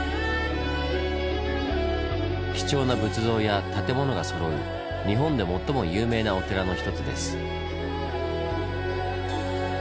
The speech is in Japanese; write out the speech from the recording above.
貴重な仏像や建物がそろう日本で最も有名なお寺の一つです。